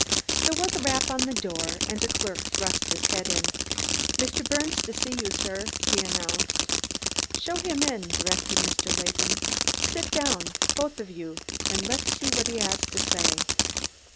There was a rap on the door, and a clerk thrust his head in. "Mr. Birnes to see you, sir," he announced. "Show him in," directed Mr. Latham. "Sit down, both of you, and let's see what he has to say."